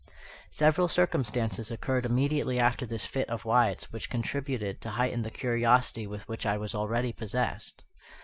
Several circumstances occurred immediately after this fit of Wyatt's which contributed to heighten the curiosity with which I was already possessed.